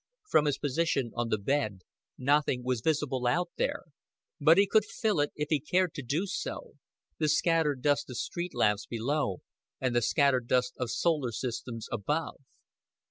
From his position on the bed nothing was visible out there, but he could fill it if he cared to do so the scattered dust of street lamps below and the scattered dust of solar systems above.